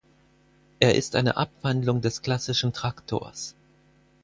Er ist eine Abwandlung des klassischen Traktors.